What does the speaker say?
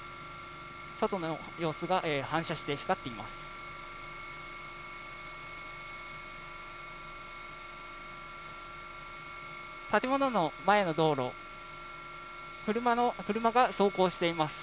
外の様子が反射して光っています。